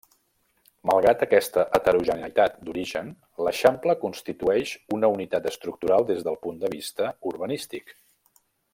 Malgrat aquesta heterogeneïtat d'origen, l'Eixample constitueix una unitat estructural des del punt de vista urbanístic.